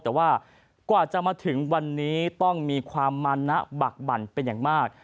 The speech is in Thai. แต่ว่ากว่าจะมาถึงวันนี้ต้องมีความมานะบักบั่นเป็นอย่างมาก